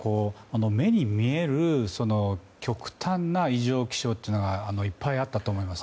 目に見える極端な異常気象というのがいっぱいあったと思います。